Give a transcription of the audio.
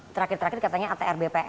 terakhir terakhir katanya atr bpn